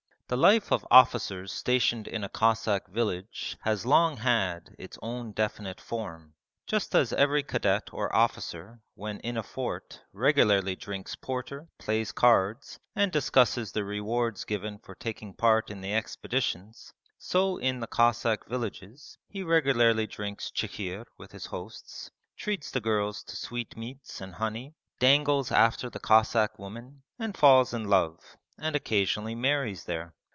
The life of officers stationed in a Cossack village has long had its own definite form. Just as every cadet or officer when in a fort regularly drinks porter, plays cards, and discusses the rewards given for taking part in the expeditions, so in the Cossack villages he regularly drinks chikhir with his hosts, treats the girls to sweet meats and honey, dangles after the Cossack women, and falls in love, and occasionally marries there.